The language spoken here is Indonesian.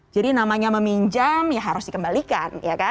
jadi namanya meminjam ya harus dikembalikan